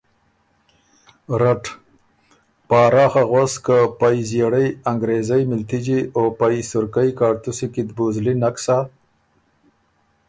رټ: پاراخه غؤس که پئ زئېړئ انګرېزئ مِلتجِی او پئ سُرکئ کاړتُوسی کی ت بُو زلی نک سَۀ؟